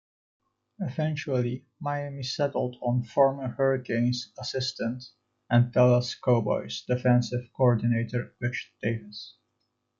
Eventually, Miami settled on former Hurricanes assistant and Dallas Cowboys defensive coordinator Butch Davis.